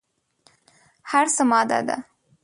هر څه ماده ده.